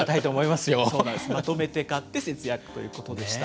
まとめて買って節約ということでした。